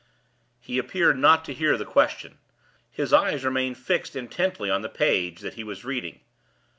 He appeared not to hear the question; his eyes remained fixed intently on the page that he was reading.